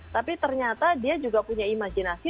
tapi ternyata dia juga punya imajinasi